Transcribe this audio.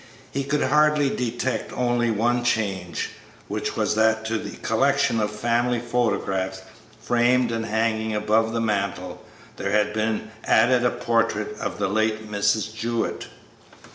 He could detect only one change, which was that to the collection of family photographs framed and hanging above the mantel, there had been added a portrait of the late Mrs. Jewett.